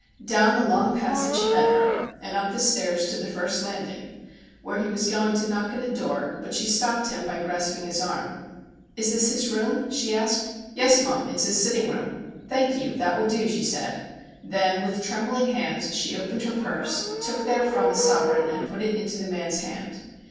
Down the long passage he led her, and up the stairs to the first landing, where he was going to knock at a door, but she stopped him by grasping his arm. ' Is this his room ?' she asked. 'Yes, mum, it's his sitting room.' ' Thank you, that will do,' she said. Then with trembling hands she opened her purse, took therefrom a sovereign and put it into the man's hand.